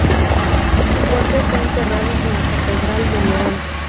Su cuerpo fue enterrado en la catedral de León.